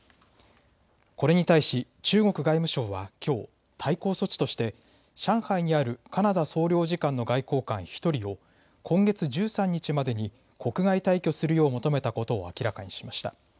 これに対し中国外務省はきょう対抗措置として上海にあるカナダ総領事館の外交官１人を今月１３日までに国外退去するよう求めたことを明らかにしました。